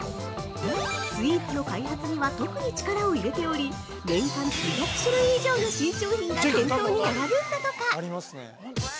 スイーツの開発には特に力を入れており、年間２００種類以上の新商品が店頭に並ぶんだとか！